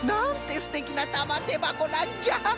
すてきなたまてばこなんじゃ！